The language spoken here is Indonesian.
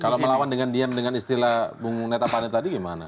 kalau melawan dengan diam dengan istilah bung netapane tadi gimana